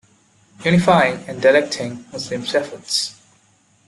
Unifying and directing Muslims' efforts.